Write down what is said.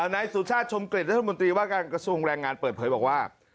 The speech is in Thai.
นายสุชาติชมเกร็ดรัฐมนตรีว่าการกระทรวงแรงงานเปิดเผยบอกว่า